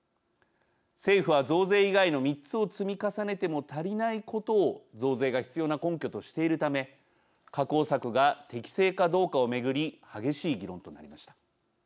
政府は、増税以外の３つを積み重ねても足りないことを増税が必要な根拠としているため確保策が適正かどうかを巡り激しい議論となりました。